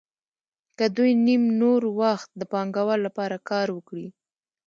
که دوی نیم نور وخت د پانګوال لپاره کار وکړي